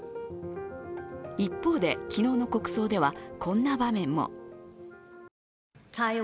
一方で、昨日の国葬ではこんな場面も。